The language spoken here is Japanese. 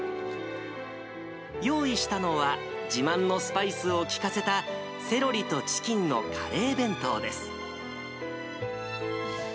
用意したのは、自慢のスパイスを効かせたセロリとチキンのカレー弁当です。